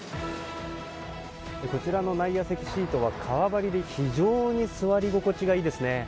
こちらの内野席シートは革張りで非常に座り心地がいいですね。